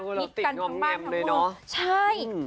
มิดกันทั้งบ้านทั้งเมือง